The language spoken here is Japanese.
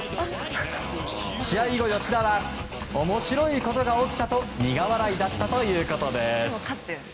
試合後、吉田は面白いことが起きたと苦笑いだったということです。